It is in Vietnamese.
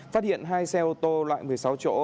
phát hiện hai xe ô tô loại một mươi sáu chỗ